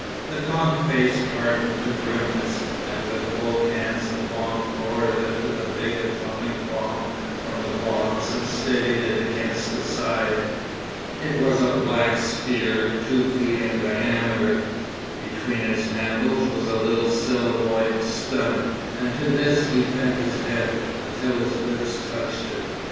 The gaunt face hardened to grimness, and with both hands the bomb thrower lifted the big atomic bomb from the box and steadied it against the side. It was a black sphere two feet in diameter. Between its handles was a little celluloid stud, and to this he bent his head until his lips touched it.